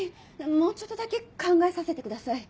もうちょっとだけ考えさせてください。